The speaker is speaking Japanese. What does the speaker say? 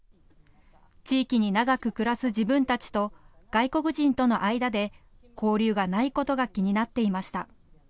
地域に長く暮らす自分たちと外国人との間で交流がないことが気になっていました。